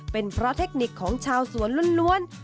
เป็นเพราะเทคนิคของชาวสวนล้วน